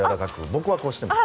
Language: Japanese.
僕はこうしてます。